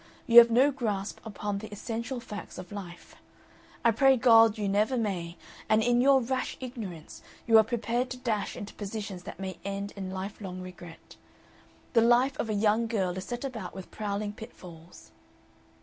You have no grasp upon the essential facts of life (I pray God you never may), and in your rash ignorance you are prepared to dash into positions that may end in lifelong regret. The life of a young girl is set about with prowling pitfalls."